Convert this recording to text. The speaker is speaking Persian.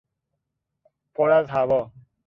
پر از هوا